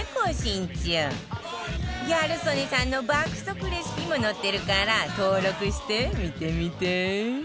ギャル曽根さんの爆速レシピも載ってるから登録して見てみて